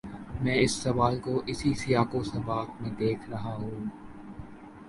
میں اس سوال کو اسی سیاق و سباق میں دیکھ رہا ہوں۔